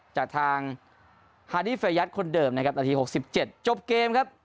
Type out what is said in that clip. จากทางฮาริเฟยัทคนเดิมนะครับนาทีหกสิบเจ็บจบเกมครับ